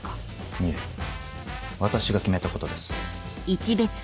いえ私が決めたことです。